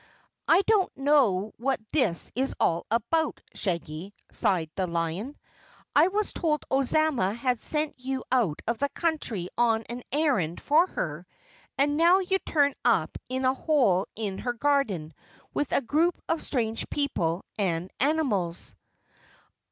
"I don't know what this is all about, Shaggy," sighed the lion. "I was told Ozma had sent you out of the country on an errand for her, and now you turn up in a hole in her garden with a group of strange people and animals."